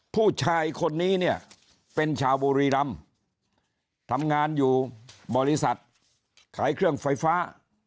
ผู้ชายคนนี้เนี่ยเป็นชาวบุรีรำทำงานอยู่บริษัทขายเครื่องไฟฟ้า